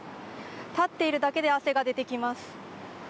立っているだけで汗が出てきます。